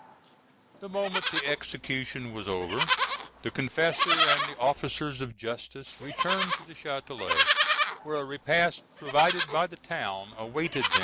The moment the execution was over, the confessor and the officers of justice returned to the Châtelet, where a repast provided by the town awaited them.